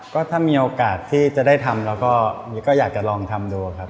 ก็ถ้ามีโอกาสที่จะได้ทำเราก็อยากจะลองทำดูครับ